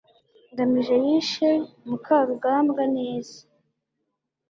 ngamije yishe mukarugambwa neza